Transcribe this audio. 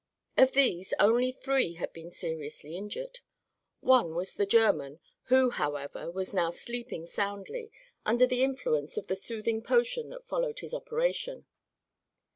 Of these, only three had been seriously injured. One was the German, who, however, was now sleeping soundly under the influence of the soothing potion that followed his operation.